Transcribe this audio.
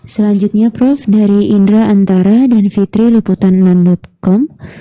selanjutnya prof dari indra antara dan fitri liputanen com